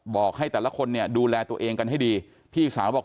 บอกให้แต่ละคนเนี่ยดูแลตัวเองกันให้ดีพี่สาวบอก